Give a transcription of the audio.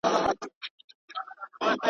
پر اوږو یې ټکاوه ورته ګویا سو.